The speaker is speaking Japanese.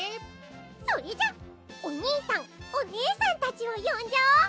それじゃおにいさんおねえさんたちをよんじゃおう。